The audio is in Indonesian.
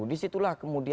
di situlah kemudian